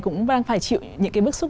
cũng đang phải chịu những bước xúc